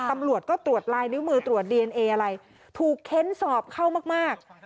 ตำรวจก็ตรวจลายนิ้วมือตรวจดีเอนเออะไรถูกเค้นสอบเข้ามาก